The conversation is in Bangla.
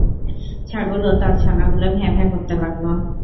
ছাগল ও তার ছানাগুলো ভ্যাঁ ভ্যাঁ করতে লাগল।